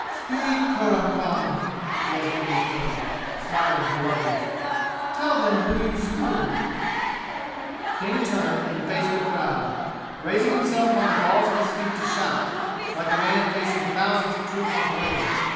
"Speak, Kurram Khan!" Yasmini purred, smiling her loveliest. "Tell them whom you slew." King turned and faced the crowd, raising himself on the balls of his feet to shout, like a man facing thousands of troops on parade.